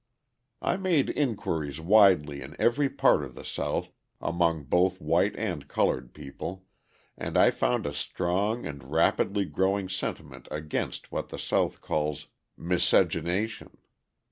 I made inquiries widely in every part of the South among both white and coloured people and I found a strong and rapidly growing sentiment against what the South calls "miscegenation."